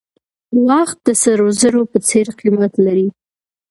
وخت د سرو زرو په څېر قیمت لري.